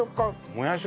もやし